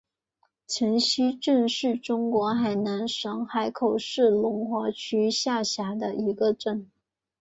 城西镇是中国海南省海口市龙华区下辖的一个镇。